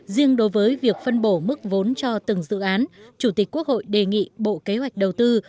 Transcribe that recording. riêng đối với việc phân bổ mức vốn cho từng dự án chủ tịch quốc hội đề nghị bộ kế hoạch đầu tư